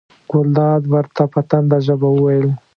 ګلداد ورته په تنده ژبه وویل.